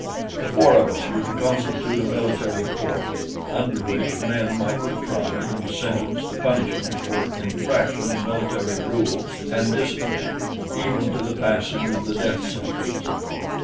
The four of us were to constitute a military court under which men might be tried and sentenced to punishment for infraction of military rules and discipline, even to the passing of the death sentence.